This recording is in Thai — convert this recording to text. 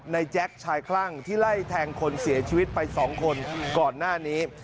แจ๊คชายคลั่งที่ไล่แทงคนเสียชีวิตไป๒คนก่อนหน้านี้